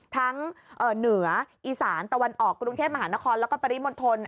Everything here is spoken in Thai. เหนืออีสานตะวันออกกรุงเทพมหานครแล้วก็ปริมณฑล